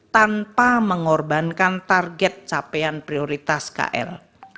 tanpa mengorbankan target capaian prioritas kl